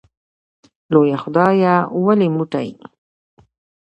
لویه خدایه ولې موټی